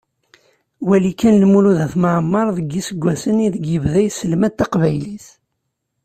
Wali kan Lmulud At Mεemmer deg yiseggasen ideg ibda aselmed n teqbaylit.